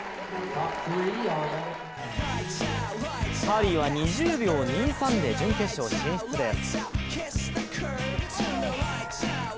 カーリーは２０秒２３で準決勝進出です。